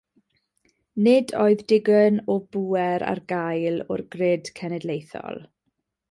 Nid oedd digon o bŵer ar gael o'r grid cenedlaethol.